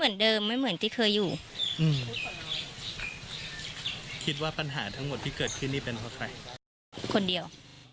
คนเดียว